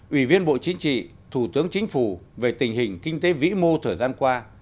ủy viên bộ chính trị thủ tướng chính phủ về tình hình kinh tế vĩ mô thời gian qua